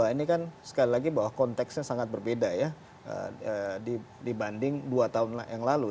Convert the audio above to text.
ini kan sekali lagi bahwa konteksnya sangat berbeda ya dibanding dua tahun yang lalu